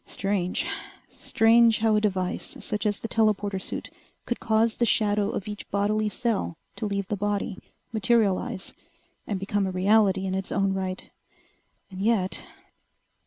Strange. Strange how a device such as the telporter suit could cause the shadow of each bodily cell to leave the body, materialize, and become a reality in its own right. And yet